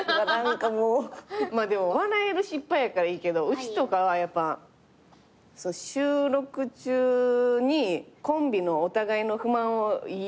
でも笑える失敗やからいいけどうちとかはやっぱ収録中にコンビのお互いの不満を言い合うみたいなんで。